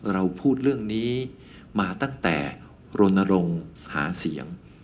เราพูดเรื่องนี้มาตั้งแต่รณรงค์หาเสียง